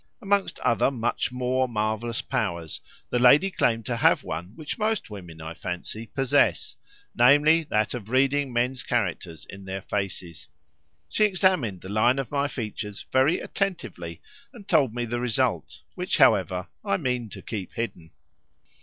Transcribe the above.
Amongst other much more marvellous powers, the lady claimed to have one which most women, I fancy, possess namely, that of reading men's characters in their faces. She examined the line of my features very attentively, and told me the result, which, however, I mean to keep hidden.